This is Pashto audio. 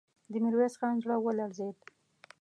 د ميرويس خان زړه ولړزېد.